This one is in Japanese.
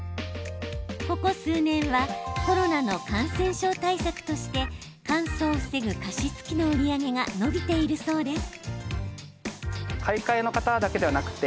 ここ数年はコロナの感染症対策として乾燥を防ぐ加湿器の売り上げが伸びているそうです。